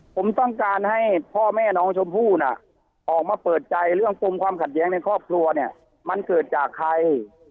ผมต้องการให้พ่อแม่น้องชมพู่น่ะออกมาเปิดใจเรื่องปมความขัดแย้งในครอบครัวเนี่ยมันเกิดจากใคร